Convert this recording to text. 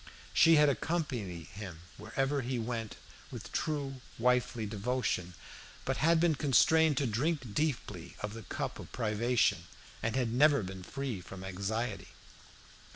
She had accompanied him wherever he went with true wifely devotion, but had been constrained to drink deeply of the cup of privation, and had never been free from anxiety.